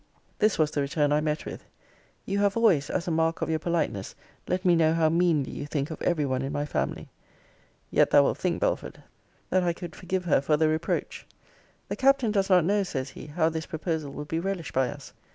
This was the return I met with You have always, as a mark of your politeness, let me know how meanly you think of every one in my family. Yet thou wilt think, Belford, that I could forgive her for the reproach. 'The Captain does not know, says he, how this proposal will be relished by us.